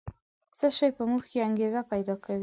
څه شی په موږ کې انګېزه پیدا کوي؟